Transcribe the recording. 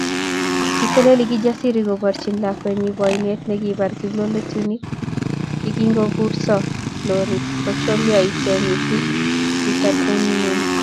Kiteleli Kijasiri koborchini lakwenyi boinet nekibar kiplokotinik yekingokurso lorit kocholyo iche missing kitatanuiso